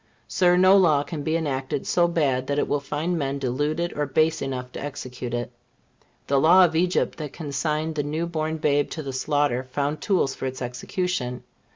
Sir, no law can be enacted so bad but that it will find men deluded or base enough to execute it. The law of Egypt that consigned the new born babe to the slaughter found tools for its execution.